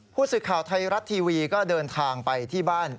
ผู้สื่อข่าวไทยรัฐทีวีก็เดินทางไปที่บ้าน